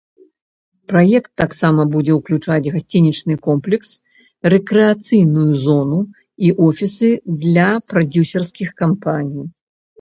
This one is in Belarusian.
Праект таксама будзе ўключаць гасцінічны комплекс, рэкрэацыйную зону і офісы для прадзюсарскіх кампаній.